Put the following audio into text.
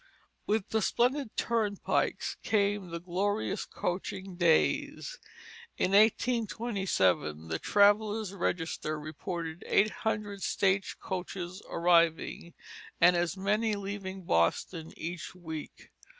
With the splendid turnpikes came the glorious coaching days. In 1827 the Traveller's Register reported eight hundred stage coaches arriving, and as many leaving Boston each week.